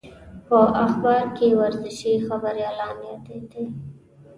په اخبار کې ورزشي خبریالان یادېدو.